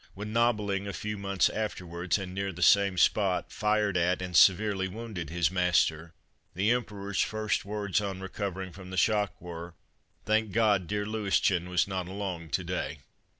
When Nobiling a few months afterward, and near the same spot, fired at and severely wounded his master, the Emperor's first words on recovering from the shock were :" Thank God, dear Louischen was not along to day